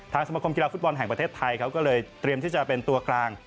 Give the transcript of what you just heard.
สมคมกีฬาฟุตบอลแห่งประเทศไทยเขาก็เลยเตรียมที่จะเป็นตัวกลาง